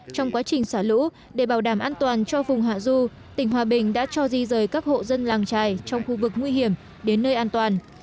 trong quá trình xả lũ để bảo đảm an toàn cho vùng hạ du tỉnh hòa bình đã cho di rời các hộ dân làng trài trong khu vực nguy hiểm đến nơi an toàn